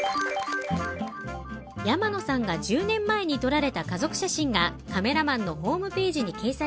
山野さんが１０年前に撮られた家族写真がカメラマンのホームページに掲載されています。